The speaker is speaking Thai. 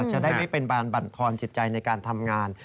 จะได้ไม่เป็นบานบรรทอนจิตใจในการทำงาน